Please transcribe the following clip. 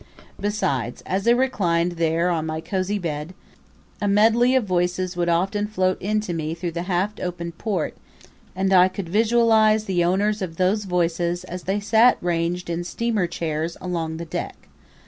Besides, as I reclined there on my cosy bed, a medley of voices would often float in to me through the half opened port and I could visualize the owners of those voices as they sat ranged in steamer chairs, along the deck.